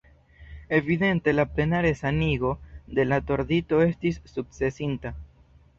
Evidente la plena resanigo de la tordito estis sukcesinta.